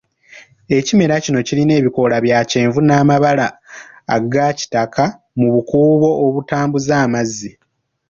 Ekimera kino kirina ebikoola ebya kyenvu n'amabala aga kitaka mu bukuubo obutambuza amazzi.